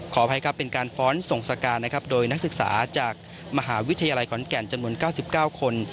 อภัยครับเป็นการฟ้อนส่งสการนะครับโดยนักศึกษาจากมหาวิทยาลัยขอนแก่นจำนวน๙๙คน